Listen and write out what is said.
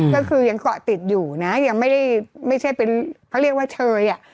ก็คือยังเกาะติดอยู่นะยังไม่ได้ไม่ใช่เป็นเขาเรียกว่าเชยอ่ะ